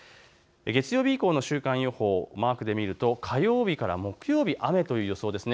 月曜日以降の週間予報マークで見ると火曜日から木曜日雨という予想です。